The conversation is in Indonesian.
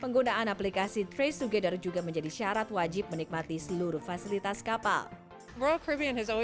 penggunaan aplikasi trace dua gather juga menjadi syarat wajib menikmati seluruh fasilitas kapal